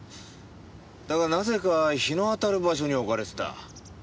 だがなぜか日の当たる場所に置かれてた。